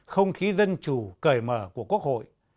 không khí dân chủ cởi mở của quốc hội